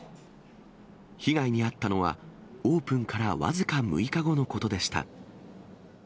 被害に遭ったのは、オープンから僅か６日後のことでした。